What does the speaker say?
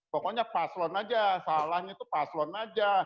pokoknya paslon saja salahnya itu paslon saja